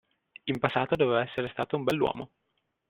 In passato doveva essere stato un bell'uomo.